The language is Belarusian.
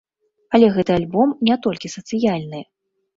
Але гэты альбом не толькі сацыяльны.